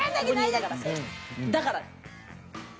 だから。